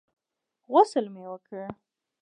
غسل مې وکړ.